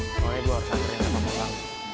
soalnya gue harus ambil yang sama pulang